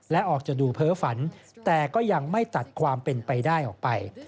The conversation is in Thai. และออกจะดูเพ้อฝันแต่ก็ยังไม่ตัดความเป็นไปได้ออกไป